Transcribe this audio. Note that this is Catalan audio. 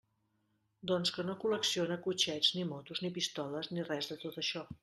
Doncs que no col·lecciona cotxets, ni motos, ni pistoles, ni res de tot això.